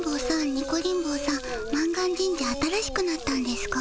ニコリン坊さん満願神社新しくなったんですか？